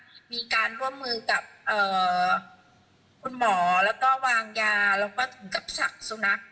มีการร่วมมือกับคุณหมอแล้วก็วางยาแล้วก็ถึงกับฉักสุนัข